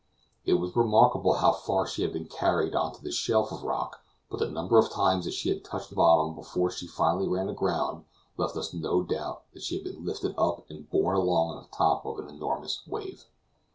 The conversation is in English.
It was remarkable how far she had been carried on to the shelf of rock, but the number of times that she had touched the bottom before she finally ran aground left us no doubt that she had been lifted up and borne along on the top of an enormous wave.